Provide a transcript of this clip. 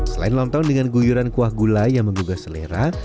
selain lontong dengan guyuran kuah gulai yang membuka selera